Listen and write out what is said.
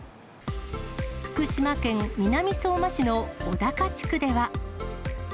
福島県南相馬市の小高地区では。